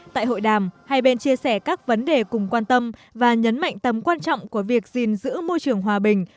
tại hội đàm hai bên chia sẻ các vấn đề cùng quan tâm và nhấn mạnh tầm quan trọng của việc gìn giữ môi trường hòa bình